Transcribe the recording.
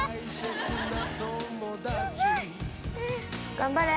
頑張れ！